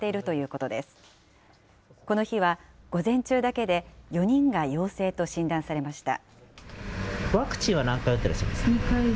この日は、午前中だけで４人が陽性と診断されました。